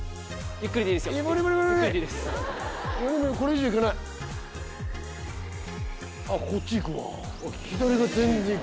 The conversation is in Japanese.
ゆっくりでいいです。